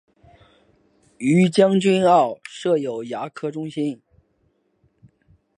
于将军澳设有牙科中心。